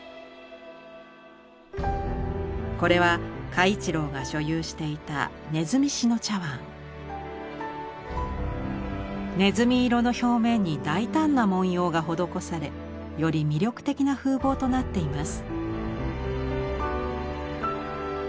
これは嘉一郎が所有していた鼠色の表面に大胆な文様が施されより魅力的な風貌となっています。